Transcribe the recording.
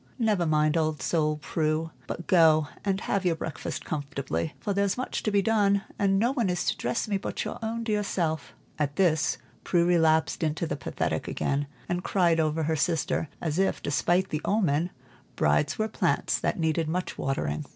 "Never mind the old soul, Prue, but go and have your breakfast comfortably, for there's much to be done, and no one is to dress me but your own dear self." At this Prue relapsed into the pathetic again, and cried over her sister as if, despite the omen, brides were plants that needed much watering.